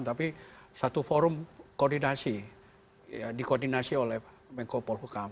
tapi satu forum koordinasi dikoordinasi oleh menko polhukam